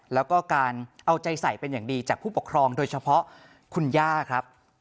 แล้วก็การเอาใจใส่เป็นอย่างดีจากผู้ปกครองโดยเฉพาะคุณย่าครับ